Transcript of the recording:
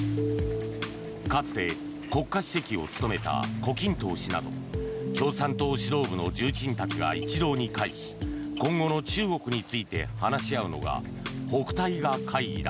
かつて国家主席を務めた胡錦涛氏など共産党指導部の重鎮たちが一堂に会し今後の中国について話し合うのが北戴河会議だ。